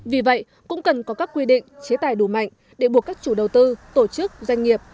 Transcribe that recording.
vì vậy cũng cần có các quy định chế tài đủ mạnh để buộc các chủ đầu tư tổ chức doanh nghiệp